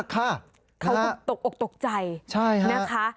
เขาก็ตกอกตกใจนะคะ